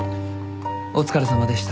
お疲れさまでした。